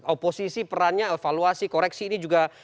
oposisi perannya evaluasi koreksi ini juga